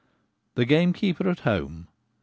1 42 The Gamekeeper at Home.